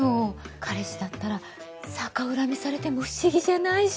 彼氏だったら逆恨みされても不思議じゃないし。